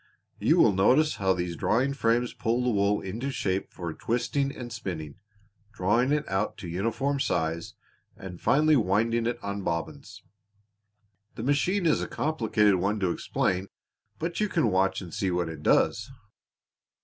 "You will notice how these drawing frames pull the wool into shape for twisting and spinning, drawing it out to uniform size and finally winding it on bobbins. The machine is a complicated one to explain, but you can watch and see what it does."